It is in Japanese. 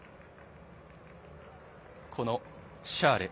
このシャーレ。